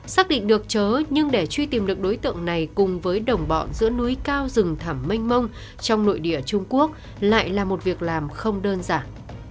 xác định được chớ nhưng để truy tìm được đối tượng này cùng với đồng bọn giữa núi cao rừng thẩm mênh mông trong nội địa trung quốc lại là một việc làm không đơn giản